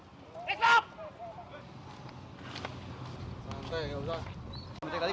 jangan main kasar